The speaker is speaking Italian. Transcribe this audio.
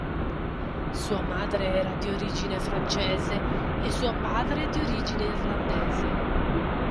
Sua madre era di origine francese e suo padre di origine irlandese.